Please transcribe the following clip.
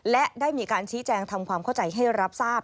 และได้มีการชี้แจงทำความเข้าใจให้รับทราบ